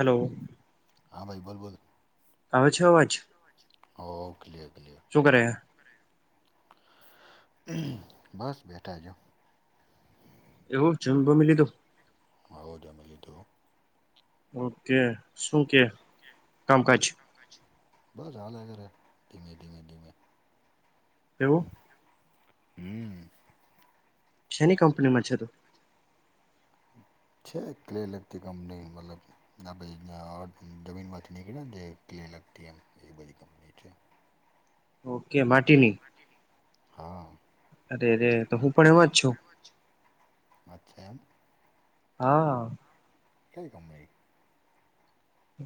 Hello. હા ભાઈ, બોલ બોલ. આવે છે અવાજ? હવ હવ. Clear clear. શું કરે હે? બસ બેઠા જા- એવું જમી બમી લીધું? હવ, જમી લીધું. ઓકે શું કે કામકાજ? બસ હાલ હ ઘ્યારે ધીમે ધીમે ધીમે એવું- હમ. શની કંપનીમાં છે હતું. છે ક્લે લગતી કંપની મતલબ ના ભ જમીન માથની કે ના ક્લીયર લગતી હ એ બ કંપની છે. ઓકે માટીની હા અરે ર તો હું પણ એમાં જ છું. અચ્છા હા કે કંપની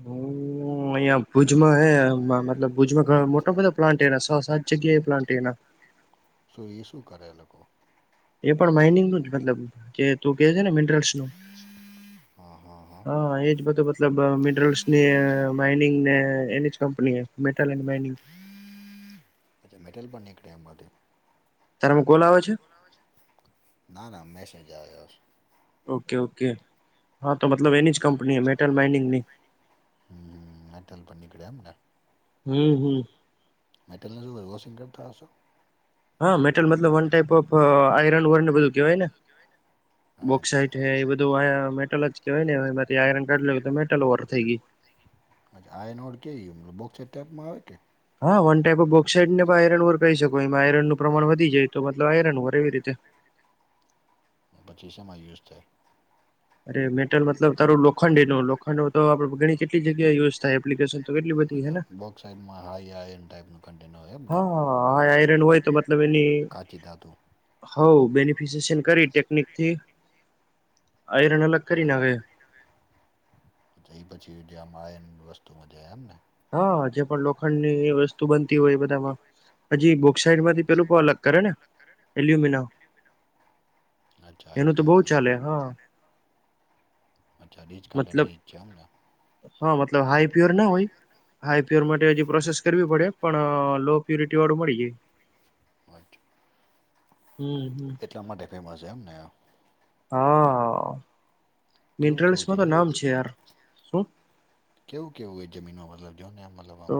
હમ અહયા ભુજમાં હે મતલબ ભુજમાં ઘ મોટા બધો પ્લાન્ટ એ છ સાત જગ્યા એ પ્લાન્ટ એના શું એ શું કરે એ લોકો એ પણ માઇનિંગ ન જ મતલબ જે તું કે છે. ને મિનરલ્સ નું હા હા હા હા એજ બધું મતલબ મિટરલ્સ ની માઇનિંગ ને એની જ કંપની મટલ માઇનિંગ. અચ્છા મેટલ પણનેક ટ એમમાંથી તારમાં કોલ આવે છે. ના ના મેશ મે જ ઓકે ઓકે હા તો મતલબ એની જ કંપની મેટલ માઇનિંગની. [unintelligible] હું હું મેટલ ને શું કરું વોશિંગર થાશો હા મેટલ મતલબ one type of a iron વરનેબલ કેવાય ને બોક્સાઈટ હે એ બધું આય મેટલ જ કેવાય ને અવે બધી આયરન કાઢ લઉં તો મેટલો વર થઈ ગઈ અચ્છા આયનોડ કેયી મ બોકસા ટેપમાં આવે કે હા વન ટાઈપ ઓફ બોક્સાઇડ ને પ આયરન વોર કહી શકો એમાં આયરનનું પ્રમાણ વધી જાય તો મતલબ આયરન વોર એવી રીતે પછી સમાં યુઝ થાય? અરે મેટલ મતલબ તારું લોખંડી નું લોખંડો તો આપડે ઘણી કેટલી જગ્યા એ યુઝ થાય એપ્લિકેશન તો કેટલી બધી બોક્સાઇડમાં હાય આયન ટાયીપનું કન્ટેન હોય એમ ને હા હાયઆયરન હોય તો મતલબ એની હોવ બેનીફી ફિસિસિન કરી ટેકનિક થી આયરન અલગ કરી નાખે. તોછા ઇ પછી જેમ આયન વસ્તુમાં જાય એમ ને હા જે પણ લોખંડ ની ઇ વસ્તુ બનતી હોય એ બધામાં હજી ઇક બોકસાઇડ માંથી પેલું પ અલગ કરે ને એલ્યુમિના એનું તો બઉ ચાલે હા અચ્છા રીચ કાંડાની ઈચ છે એમને હા મતલબ હાઈ પ્યોર ના હોય હાઈ પ્યોર માટે હજી પ્રોસેસ કરવી પડે પણ લો પુરિટી વાળું મળી જાય. અચા હું હ તમાટે ફેમસ એમ ને- હા. કેવું કેવું છે નેય? કેવું કેવું એ જમીનો મતલબ કેઓને અ મતલબ તો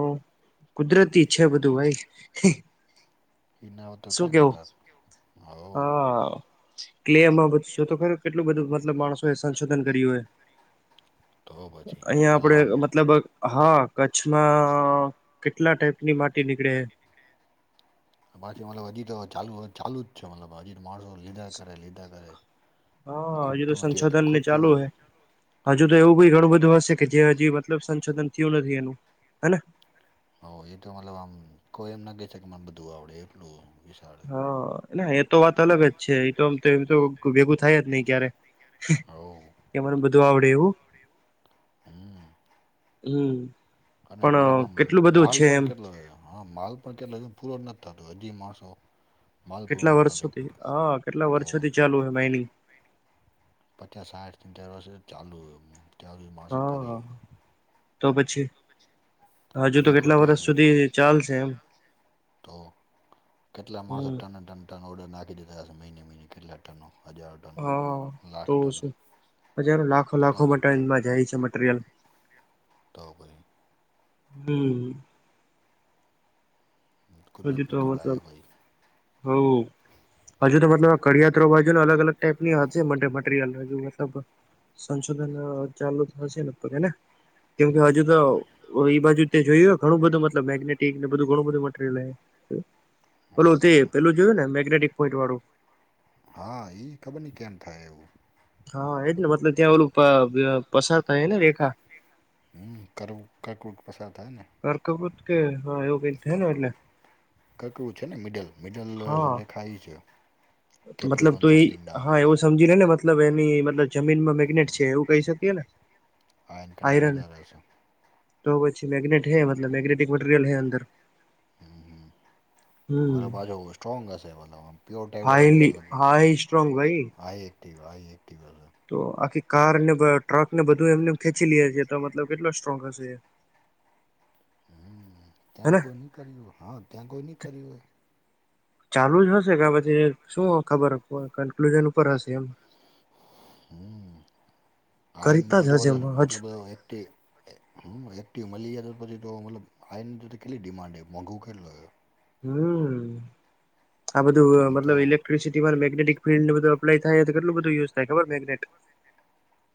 કુદરતી છે બધું ભાઈ હિ ઇના ઓ તો કાઈ ના દાસ કેવું હોવ ક્લેમાં બધુંશોતો ખરું કેટલું બધું મતલબ માણસોએ સંશોધન કર્યું હે અહિયાં આપડે મતલબ હા કચ્છમાં, કેટલા ટાઈપ ની માટી નીકળે. આબાજુ મતલબ હજી તો ચાલુ ચાલુ જ છે મતલબ હજી માણુંઓ લીધા કરે લીધા કરે. હા હજુ તો સંશોધન ને ચાલુ અહે, હજુ તો એવું બી ઘણું બધું હશે કે જે હજી મતલબ સંશોધન થીયું નથી એનું હ ને? હ એ તો મતલબ આમ કોઈ એમ ના કઈ શકે મને બધું આવડે એટલું હા ના એ તો વાત અલગ જ છે એ તો એમ તો ભેગું થાય જ ની ક્યારે. હવ. કે મને બધું આવડે એવું? હમ્મ. હમ્મ. અને મતલબ આમ માલ પણ કેટલો એ હા માલ પણ કેટલો, જોન પૂરો નથી થતો હજી માણસો કેટલા વર્ષોથી, હ કેટલા વર્ષોથી ચાલુ અહે માઇનિંગ. પચા, સાઇઠ, સિત્તેર વર્ષ થી ચાલુ તાં માણસો કરે. તો પછી. હજુ તો કેટલા વરસ સુધી ચાલશે એમ. તો, કેટલા માણસો ટના ટન ટન ઓર્ડર નાખી દેતા હશે મહિને મહિને કેટલા ટનો. હજાર હા, તો શું. હજારો લાખો, લાખો માં ટનમાં જાય છે મટ્રીરિયલ. તો પહિ. બિલ. હજી તો મતલબ, હવ. હજુ તો મતલબ આ કડિયાતધ્રો બાજુ નો અલગ અલગ ટાઈપ ની હશે મટે મટ્રીરિયલ હજુ મતલબ. સંશોધન અ ચાલુ થશે લગભગ હે ને? કેમ કે હજુ તો એ બાજુ તે જોયું ઘણું બધું મતલબ મેગ્નેટિક ને બધું ઘણું બધું મ ટ્રીરિયલ હે, પેલું તે પેલું જોયું ને મેગ્નેટિક પોઈન્ટ વાળું? હા ઈ ખબર ની કેમ થાય એવું? હા એજ ને મતલબ ત્યાં ઓલું પ અ પસાર હમ્મ કર કર્કવૃત પસાર થાય ને? કર્કવૃત કે હા એવું કઈ થાય ને એટલે. કર્કવૃત છે ને મિડલ મિડલે રેખા ઈ છે. મતલબ તો એ હા એવું સમજી લે ને મતલબ એની મતલબ જમીનમાં મેગ્નેટ છે એવું કહી શકીએ ને? હા એન કને વધારે હશે. તો પછી મેગનેટ હે મતલબ મેગ્નેટિક મટીરિયલ હૈ અંદર. હમ્મ. ટ્રોંગ હસે મતલબ અમ પ્યોર ટાઈપ વધારે એવું લાગે. આ એ ટિવ આ એ ટિવ વેલો. તો આખી કારને બ ટ્રક ને બધું એમ નેમ ખેંચી લે એ છે તો મતલબ કેટલો સ્ટ્રોંગ હશે? [inaudible] [inaudible] હમ્મ, ત્યાં કોઈ ની કર્યું હા ત્યાં કોઈ નહી કર્યું હો? ચાલુ જ હશે કા પછી શું ખબર ક કન્ક્લુઝન ઉપર હસે. હમ્મ, આ માટે એટલો બધ એટલો બધા વ્યક્તિ એક્ટિવ મળી જાય તો પછી તો મતલબ આઇરની તો કેટલી ડિમાન્ડ હે મોંઘુ કેટલુ આવેરુ. હમ્મ, આ બધું મતલબ ઇલેક્ટ્રિસિટીમાં ને મેગ્નેટિક ફીડ ને બધુ અપ્લાય થાય તો કેટલ બધું યુસ થાય ખબર મેગનેટ?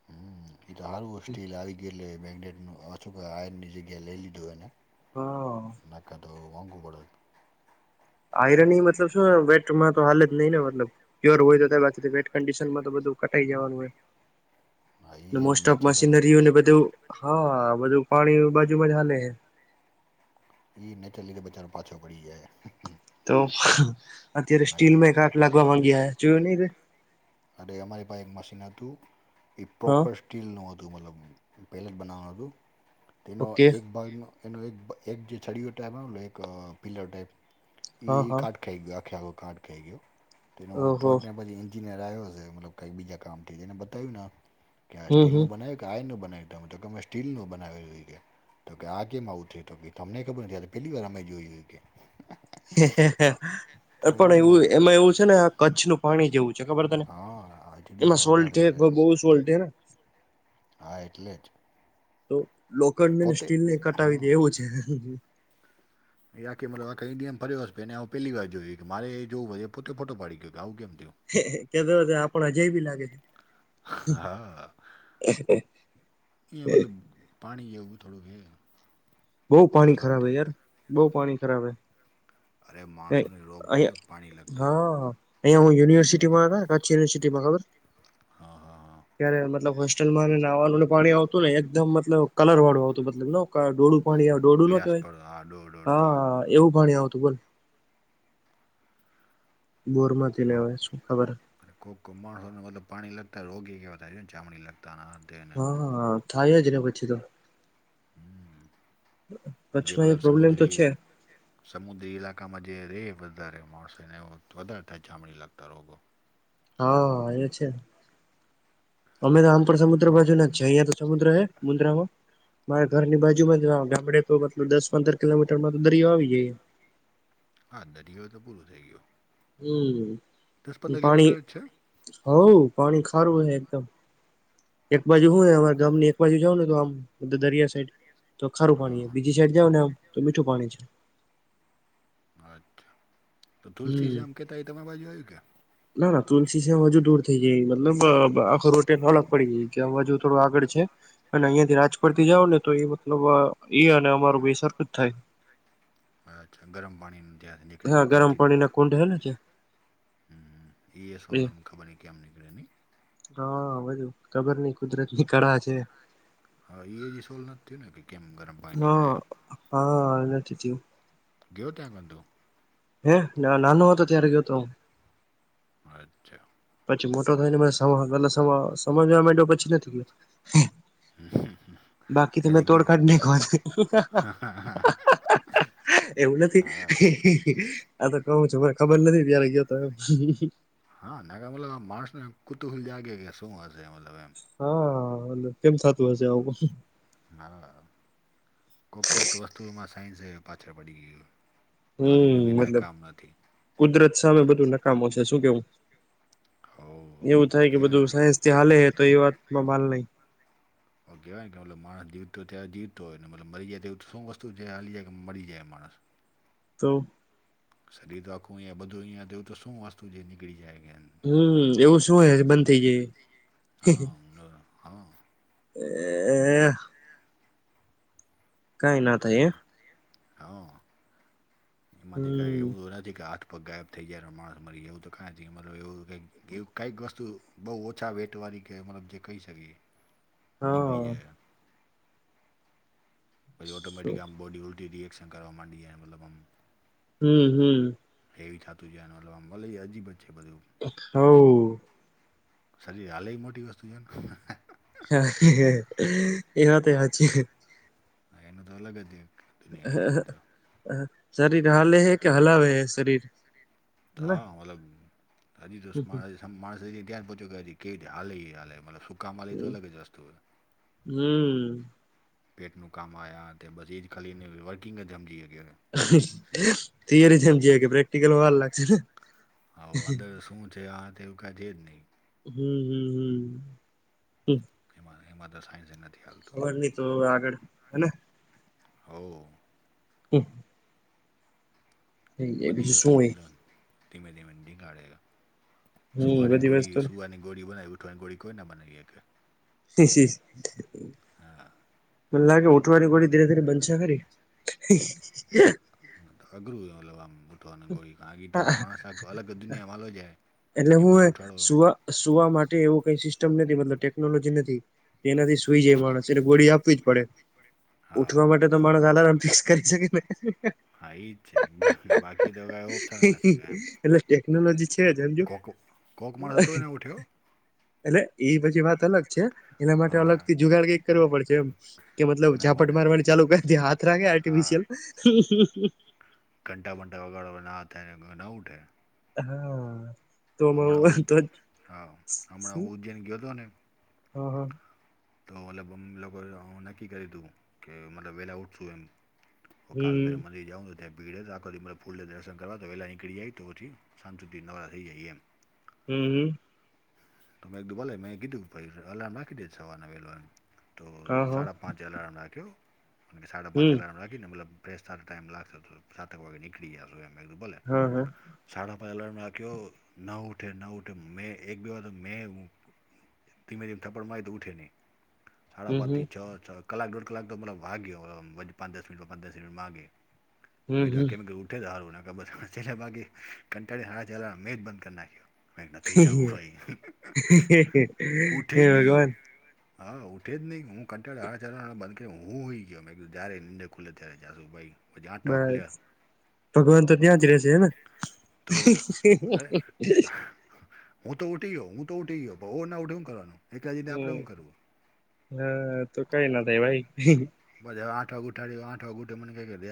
હમ્મ, એ તો હારુ સ્ટીલ આવી ગ્યું એટલ મેગ્નેટ નું અથુક આયન ની જગ્યાએ લઈ લીધું એને. ના કા તો, મોંઘુ પડત. આયરન ની મતલબ શું વેટમાં તો હાલ જ લઈ લેવાનું તમને. પ્યૉર હોય તો ત વેટ કન્ડીશનમાં તો બધું કટાઈ જવાનું હોય. મોસ્ટ ઓફ મશીનરીઓને બધું હા, બધું પાણી બાજુમાં જ હાલે હે. એ નેચરલી કે બચારો પાછડ પડી જાય. તો અત્યારે સ્ટીલમાં એકાઠ લાગવા માંગ્યા જોયું નહી તુવે. અરે અમારી પાહે મશીન હતું ઈ પો પાસ સ્ટીલનું હતું મતલબ પેલે બનાવવાનું હતું તેનો એક બાઇલનો એનો એક જે છડીયો ટાઈપ આવેને એક પિલ્લર ટાઈપ એ કાટ થઈ ગયો આખ્યા કારાડ થઈ ગયો તેનો ટ્રક ને પછી એન્જિનયર આવ્યો મતલબ કઈ બીજા કામ થઈ ગયા ને બતાય્યું ને કે આ સ્ટીલ નું બનાવ્યું કે આયનનું બનાય્યું. તો તમે સ્ટીલ નું બનાવે જોઈ [unintelligible] તો કે આ કેમ આવું થે તો કે તમને ખબર નથી પેલી વાર અમે જોયું કે હે હે હે પણ એવું એમાં એવું છે ને આ કચ્છનું પાણી જેવું છે ખબર તને એમાં સોલ્ટ જે બહુ સોલ્ટ તે ન હા એટલે જ. તો લોકડ ને સ્ટીલ ને કટાવી દે એવું છે. એ આ કે મતલબ આ કઈ દિયમ ફર્યો હશે પણ એને આવું પહેલી વાર જોયું કે મારે એ જોવું હોય એ પોતે ફો પાડી ગયો કે આવું કેમ થયું. હે કેતો હતો આપણ જે બી લાગે. હા અહીંયા મતલબ પાણી એવુ થોડુ [unintelligible] બહુ પાણી ખરાબ હૈ યાર બહુ પાણી ખરાબ હૈ. હે અહીંયા હા અહીંયા હું યુનિવર્સિટીમાં હતા કચ્છ યુનિવર્સિટીમાં ખબર. ત્યારે મતલબ હોસ્ટેલમાં નાહવાનુંને પાણી આવતું ને એકદમ મતલબ કલર વાળું આવતું મતલબ ડોળું પાણી આ ડોળુ નું જ હોય હા એવું પાણી આવતું બોલ. બોર માંથી ને હવે શું ખબર. કોઈ કો માણસોને મતલબ પાણી લગતા રોગી કેવા ને ચામડી લગતા આન આમ. હા થાય જ ને પછી તો. કચ્છમાં એ પ્રોબ્લેમ તો છે. સમુદ્રી ઈલાકામાં જે રે વધારે માણસ ને વધારે થાય ચામડી લાગતા રોગો. હ એ છે અમે તો આમ પણ સમુદ્ર બાજુ ના જઈએ તો સમુદ્ર એ સમુદ્રમાં મારા ઘરની બાજુમાં આ ગામડે તો મતલબ દસ પંદર કિલોમીટર મા તો દરિયો આવી જાય. હા દરિયો તો પૂરું થઈ ગયો. હમ્મ તે પાણી હો પાણી ખારું હે તો એક બાજુ હું હે અમાર ગામની પછી જાવ ને તો આમ તો દરિયા સાઈડ તો ખારું પાણી છે બીજી સાઈડ જાવ ને આમ તો મીઠું પાણી છે. અચ્છા તો તુલસીશ્યામ કેતા એ તમાર બાજુ આવ્યું કે. ના ના તુલસીશ્યામ હજુ દૂર થઈ જાય મતલબ બ આખો રૉડ કઈક અલગ પડી ગઈ કે આ બાજુ થોડું આગળ છે અને અહિયાં થી રાજકોટ થી જાઓ ને તો એ મતલબ એ અને અમારું બી સરખું જ થાય. અચ્છા ગરમ પાણી ત્યાં નિકળ્યા ને કન્ટિન્યુ. [inaudible] હમ્મ એ સવાલ આમ ખબર નહીં કેમ નીકળે નહીં. હા બધું ખબર નઈ કુદરત ની કળા છે. હા એ જે સોલ નથી થ્યું કે કેમ ગરમ હ હા નથી થયું. ગયો ત્યાં [unintelligible] હે ના નાનો હતો ત્યારે ગ્યો તો. અચ્છા. પછી મોટો થઈને મેં સ મને સમ અ સમજવા માંડ્યો પછી નથી ગયો. હ હ [unintelligible] બાકી તો મેં તોડકાડ નહી [unintelligible] એવું નથી હી હી હી. આ તો કઉ છું મને ખબર નથી ત્યારે ગયો તો એમ. હા ના ના મતલબ આમ માણસ ને કુતુંગલ જાગે કે શું હસે બધું એમ. હ હા કેમ થતું હશે આવું. હા કોક કોક તો વસ્તુમાં સાયન્સ પાછળ પડી ગઈ. હમ મતલબ કુદરત સામે બધું નકામો છે શું કેવું. એવું થાય કે બધું સાયન્સ થી હાલે હ તો એ વાત માં માલ નહી હ કહેવાયને કે મલે માણસ જીવતો ત્યારે જીવતો હોય ને મતલ મ જાય તો એ શું વસ્તુ છે હાલી જે મરી જાઈ માણે. તો. શરીર તો આખું અહીયા બધું અયા તો એવું તો શું વાસ્તુ જે નીકળી જાય. હમ એવું શું હોય જે બંધ થઇ જાય. હા. એ. એ એ. હા એમાંથી કઈ. એવું નથી કે હાથ પગ ગાયબ થઈ જાય અને માણસ મરી જાયવું તો ક્યાં મતલબ એવું. કંઈક વસ્તુ બહુ ઓછા વેટવાળી કે મતલબ જે કહી શકીએ. [inaudible] નીકળી જાઈ અ. પછી ઓટોમેટિક આમ બોડી ઉલટી રિએક્શન કરવા માંડી જાય મતલબ આમ. હમ હમ. હેવી થાતું જાઇન ઓલું આમ મલી જાય અજીબ અજ છે બધું. હવ. શરીર હાલે એ મોટી વસ્તુ છે ગમે. હા એ એવા તે વા જે. હા એનું તો અલગ જ એક હા હા શરીર હાલે હૈ કે હલાવે હૈ શરીર. તા મતલબ તાજી દ સમા સમ માણસ જે ધ્યાન પોચ્યો કે છે કે હાલે ઈ આલે મતલબ સુકામ આલે ઈ તો અલગ જ વસ્તુઓ. હમ. પેટનું કામ આવ્યા તે બછી એ જ ખાલીને વર્કિંગ જ સમજીએ કે. થિયરી સમજી હકે પ્રેક્ટિકલ વાર લાગશે ને શુ છે આ તે ઓ કઢે જ નહીં. હમ હમ હમ હેમાં હેમાં તો સાયન્સ એ નથી. ખબર નહી તો આગળ હેને. હવ. હમ. બધી વસ્તુન ઘન. ધીમે ધીમે નીકાડે સુઆની ગોડી સુઆની ગોડી બના ગોળી કોઈ ના બનાવી હકે [unintelligible] મને લાગે ઉઠવાની ગોળી ધીરે ધીરે બનશે ખરી અઘરું ઓલો આમ ઊઠવાની ગોળી ઈ તો માણસ આંખો અલગ દુનિયામાં આલો જાય. એટલે હુંહે સુવા સુવા માટે એવું કઈ સિસ્ટમ નથી મતલબ ટેકનોલોજી નથી તેનાથી સુઈ જાય માણસ એટલે ગોળી આપવી જ પડે ઉઠવા માટે તો માણસ આલારામ ફિક્સ કરી શકેને. [unintelligible] એટલે ટેકનોલોજી છે જ હમજ્યો એટલે એ પછી વાત અલગ છે. એના માટે અલગ થી જુગાડ કઈ કરવા પડશે એમ. કે મતલબ ઝાપટ મારવાની ચાલુ કરે હાથ રાખે આર્ટિફિશિયલ ઘંટા વંટા વગાડવા ના આતે ના ઉઠે હા. હમણાં ઉદ હા હમણાં ઉજ્જૈન ગયો હતો ને હા હા. તો મતલબ અમે લોકો નક્કી કરી તું કે મતલબ વેલા ઉઠશું એમ. તો કાલભેરે મલી જઉ ત્યાં ભીડે આખોદી મરે ફૂલે દર્શન કરવા તો વહેલા નીકળી જાય તોથી સાંજ સુધી નવરા થઈ જાઈ એમ. હમ્મ હમ્મ. તો મેં કીધું ભલે મેં કીધું પછી અલારમ રાખી દે સવારને વેલો એ તો સાડા પાંચે એલારમ રાખ્યો અને કે સાડા પાંચે એલારમ રાખીને મતલબ ફ્રેસ થાન ટાઈમ લાગશે થોડુ સાતેક વાગે નીકળી જાશુ મેં કીધું ભલે હા હા. સાડા પાંચ અલારમ રાખ્યો ન ઉઠે ન ઉઠે મેં એક બે તો મેં ધીમે ધીમે થપ્પડ મારી તો ઉઠે નહીં સાડા પાંચ થી છ છ કલાક દોઢ કલાક તો ભાગ્યો પાંચ દસ મિનટ પાચ દસ મિનિટમાં વાગે મેં કીધુ કેમિકલ ઉઠે તો હારો નકર છેલ્લા બાકી કંટાળીને આજ અલાર્મ મે જ બંધ કરી નાખ્યું જાવ ભાઈ ઉઠે જ નહી હો. હા ઉઠે જ નહીં હું કંટાળો આજ એલાર્મ બંધ કરી હું હુઈ ગયો મે કયો જાય ખુલે ત્યારે જાશું ભાઈ. પજાં આટા ખુલ્યા તો [inaudible] અર [inaudible] હું તો ઉઠી ગયો હું તો ઉઠી ગયો ભઉને ઉઠું એ કરવાનું એકલા જીને આપણે હું કરવું હા તો કઈ ના થાય ભાઈ બસ આઠ વાગે ઉઠાડે આઠ વાગે મને ના વેમ